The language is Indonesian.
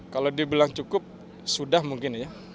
kalau dibilang cukup sudah mungkin ya